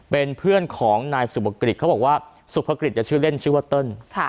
เป็นเพื่อนของนายสุภกิจเขาบอกว่าสุภกิจชื่อเล่นชื่อว่าเติ้ล